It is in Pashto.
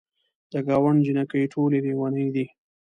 د ګاونډ جینکۍ ټولې لیونۍ دي.